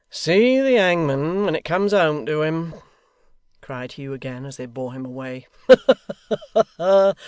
'See the hangman when it comes home to him!' cried Hugh again, as they bore him away 'Ha ha ha!